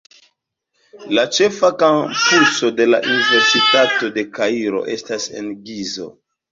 La ĉefa kampuso de la Universitato de Kairo estas en Gizo.